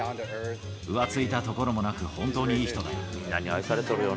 浮ついたところもなく、本当にいい人だよ。